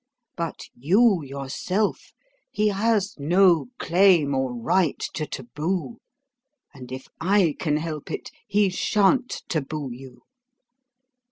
But YOU yourself he has no claim or right to taboo; and if I can help it, he shan't taboo you.